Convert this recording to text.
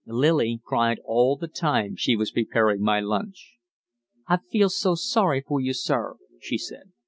Lillie cried all the time she was preparing my lunch. "I feels so sorry for you, sir," she said.